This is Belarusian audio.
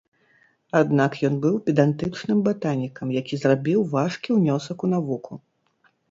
Аднак ён быў педантычным батанікам, які зрабіў важкі ўнёсак у навуку.